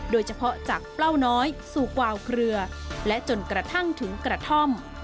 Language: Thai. โดยเฉพาะจากเปล้าน้อยสู่กวาวเครือและจนกระทั่งถึงกระท่อม